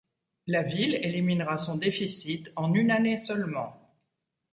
La Ville éliminera son déficit en une année seulement.